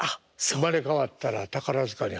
生まれ変わったら宝塚に入りたい。